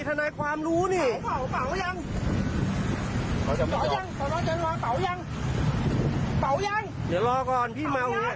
ทนายความรู้นี่